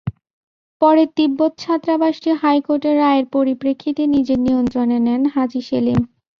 পরে তিব্বত ছাত্রাবাসটি হাইকোর্টের রায়ের পরিপ্রেক্ষিতে নিজের নিয়ন্ত্রণে নেন হাজি সেলিম।